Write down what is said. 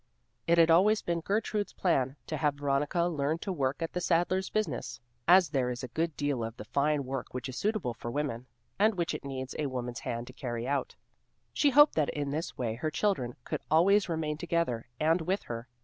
It had always been Gertrude's plan to have Veronica learn to work at the saddler's business, as there is a good deal of the fine work which is suitable for women, and which it needs a woman's hand to carry out. She hoped that in this way her children could always remain together and with her.